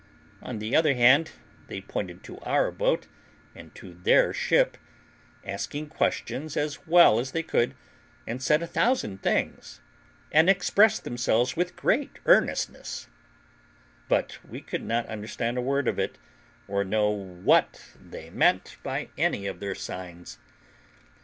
On the other hand, they pointed to our boat and to their ship, asking questions as well as they could, and said a thousand things, and expressed themselves with great earnestness; but we could not understand a word of it all, or know what they meant by any of their signs.